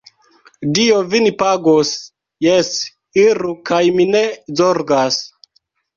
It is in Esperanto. Dio vin pagos, jes, iru kaj mi ne zorgas.